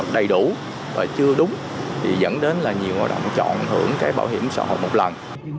đầy đủ và chưa đúng thì dẫn đến là nhiều lao động chọn hưởng cái bảo hiểm xã hội một lần